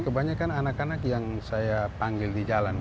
kebanyakan anak anak yang saya panggil di jalan